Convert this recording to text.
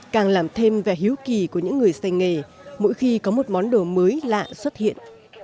càng làm thêm vẻ hiếu kỳ của những người say nghề mỗi khi có một món đồ mới lạ xuất hiện